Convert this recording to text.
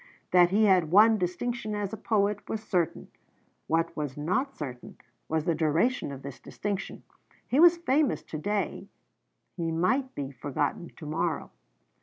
That he had won distinction as a poet was certain; what was not certain was the duration of this distinction. He was famous to day; he might be forgotten to morrow.